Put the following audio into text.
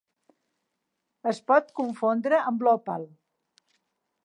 Es pot confondre amb l'òpal.